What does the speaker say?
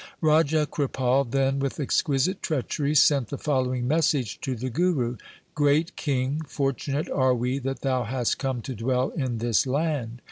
Raja Kripal then with exquisite treachery sent the following message to the Guru :' Great king, fortunate are we that thou hast come to dwell in this land.